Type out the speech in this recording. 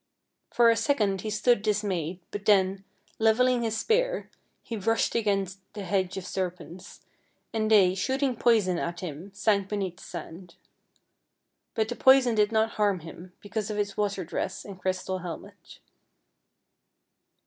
For a second he stood dismayed, but then, leveling his spear, he rushed against the hedge of serpents, and they, shooting poison at him, sank beneath the sand. But the poison did not harm him, because of his water dress and crystal helmet.